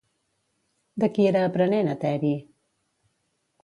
De qui era aprenent Eteri?